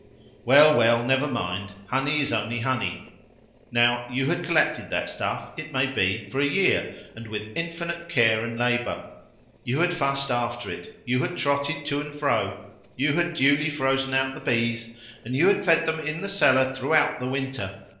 "Well, well! Never mind. Honey is only honey. Now, you had collected that stuff, it may be, for a year, and with infinite care and labour. You had fussed after it, you had trotted to and fro, you had duly frozen out the bees, and you had fed them in the cellar throughout the winter.